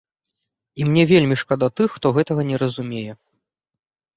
І мне вельмі шкада тых, хто гэтага не разумее!